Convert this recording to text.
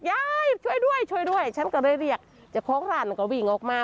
ยายช่วยด้วยช่วยด้วยฉันก็เลยเรียกเจ้าของร้านก็วิ่งออกมา